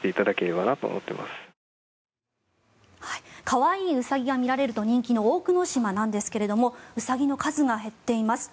可愛いウサギが見られると人気の大久野島なんですけれどもウサギの数が減っています。